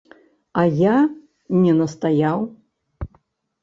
А я не настаяў.